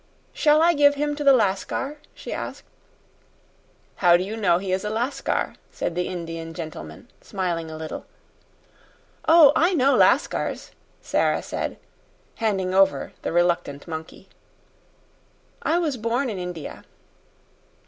"Shall I give him to the Lascar?" she asked. "How do you know he is a Lascar?" said the Indian gentleman, smiling a little. "Oh, I know Lascars," Sara said, handing over the reluctant monkey. "I was born in India."